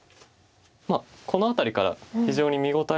この辺りから非常に見応えのある。